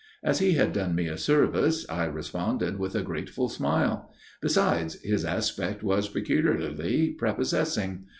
As he had done me a service, I responded with a grateful smile; besides, his aspect was peculiarly prepossessing.